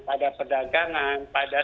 pada perdagangan pada